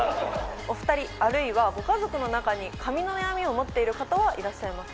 お２人あるいはご家族の中に髪の悩みを持っている方はいらっしゃいますか？